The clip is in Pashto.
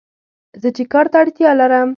زه چې کار ته اړتیا لرم